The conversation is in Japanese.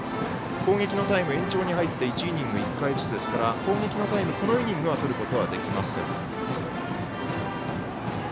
攻撃のタイム、延長に入って１イニング１回ずつですから攻撃のタイムをこのイニングはとることができません。